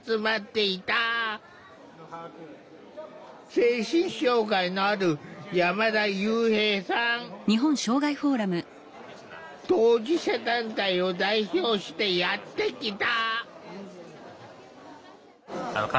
精神障害のある当事者団体を代表してやって来た。